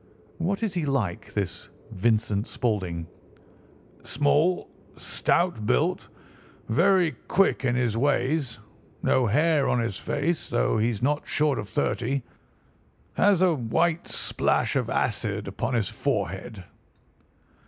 "What is he like, this Vincent Spaulding?" "Small, stout built, very quick in his ways, no hair on his face, though he's not short of thirty. Has a white splash of acid upon his forehead."